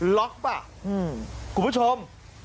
ล็อคปะคุณผู้ชม